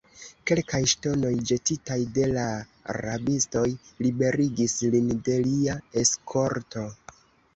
Kelkaj ŝtonoj, ĵetitaj de la rabistoj, liberigis lin de lia eskorto.